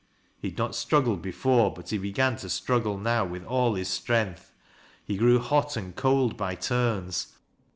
He had not struggled before, but he began to struggle now with all liis strength. He grew hot and cold by turns.